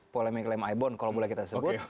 polemik lemai bon kalau boleh kita sebut